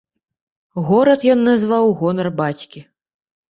Горад ён назваў у гонар бацькі.